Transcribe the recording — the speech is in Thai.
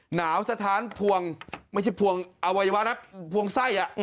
หนาวสถานพวงไม่ใช่พวงอวัยวะนะพวงไส้